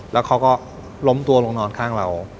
แล้วเขาก็ล้มตัวลงนอนข้างเรา